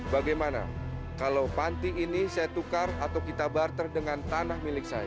bagaimana kalau panti ini saya tukar atau kita barter dengan tanah milik saya